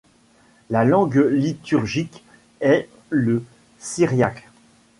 La langue liturgique est le syriaque.